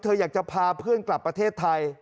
อยากจะพาเพื่อนกลับประเทศไทย